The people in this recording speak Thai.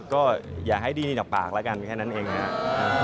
ก็อย่าให้ดีต่อปากแล้วกันแค่นั้นเองนะครับ